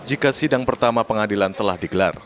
jika sidang pertama pengadilan telah digelar